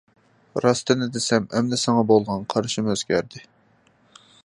راستىمنى دېسەم ئەمدى ساڭا بولغان قارىشىم ئۆزگەردى.